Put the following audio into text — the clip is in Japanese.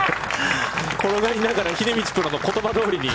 転がりながら秀道プロの言葉どおりに。